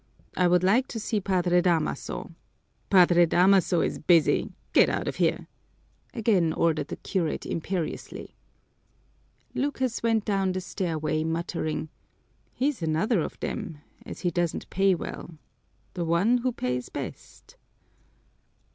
"I would like to see Padre Damaso." "Padre Damaso is busy. Get out of here!" again ordered the curate imperiously. Lucas went down the stairway muttering, "He's another of them as he doesn't pay well the one who pays best!"